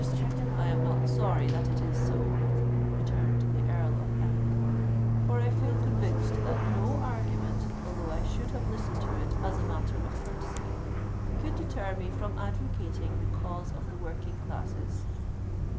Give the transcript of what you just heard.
"I am not sorry that it is so," returned the Earl of Ellingham; "for I feel convinced that no argument, although I should have listened to it as a matter of courtesy, could deter me from advocating the cause of the working classes."